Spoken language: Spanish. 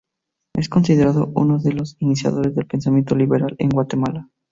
Es considerado uno de los iniciadores del pensamiento liberal en Guatemala.